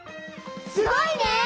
すごいね！